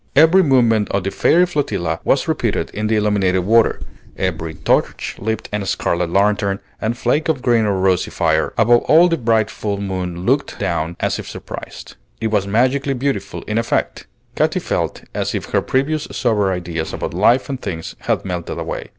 Every movement of the fairy flotilla was repeated in the illuminated water, every torch tip and scarlet lantern and flake of green or rosy fire; above all the bright full moon looked down as if surprised. It was magically beautiful in effect. Katy felt as if her previous sober ideas about life and things had melted away.